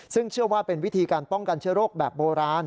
ซึ่งเชื่อว่าเป็นวิธีการป้องกันเชื้อโรคแบบโบราณ